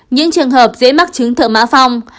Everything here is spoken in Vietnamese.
những trường hợp dễ mắc chứng thượng mã phong